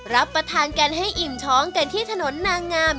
รับประทานกันให้อิ่มท้องกันที่ถนนนางงาม